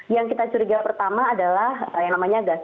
yang kita curiga pertama adalah yang namanya gas